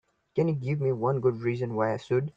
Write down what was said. Can you give me one good reason why I should?